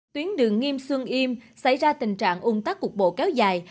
tuyến đường nghiêm xuân yêm xảy ra tình trạng ủng tắc cuộc bộ cao dài